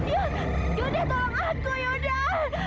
yuda tolong aku yuda